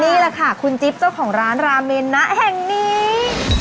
นี่แหละค่ะคุณจิ๊บเจ้าของร้านราเมนนะแห่งนี้